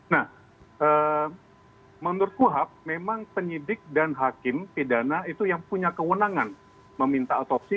nah menurut kuhap memang penyidik dan hakim pidana itu yang punya kewenangan meminta otopsi